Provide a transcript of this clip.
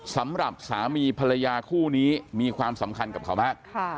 สำหรับสามีภรรยาคู่นี้มีความสำคัญกับเขามาก